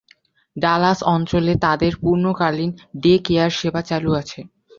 Dallas অঞ্চলে তাদের পূর্ণকালীন 'ডে-কেয়ার' সেবা চালু আছে।